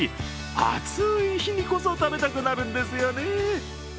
暑い日にこそ食べたくなるんですよね。